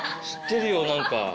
知ってるよなんか。